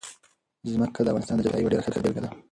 ځمکه د افغانستان د جغرافیې یوه ډېره ښه بېلګه ده.